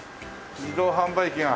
自動販売機が。